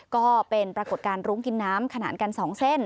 ก็เป็นปรากฏการณรุ้งกินน้ำขนาดกัน๒เส้น